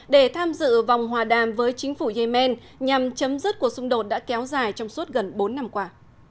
để tham dự vòng hòa đàm với chính phủ yemen nhằm chấm dứt cuộc xung đột đã kéo dài trong suốt gần bốn năm qua